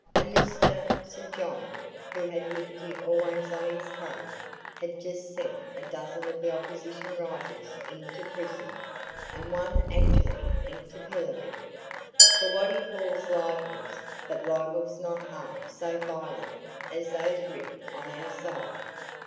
And Mr. St. John, who had liberty always on his tongue, had just sent a dozen of the opposition writers into prison, and one actually into the pillory, for what he called libels, but libels not half so violent as those writ on our side.